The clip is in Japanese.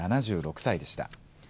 ７６歳でした。